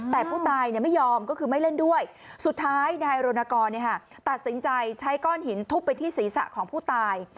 แต่ผู้ตายไม่ยอมก็คือไม่เล่นด้วยสุดท้ายนายรณกรตัดสินใจใช้ก้อนหินทุบไปที่ศีรษะของผู้ตาย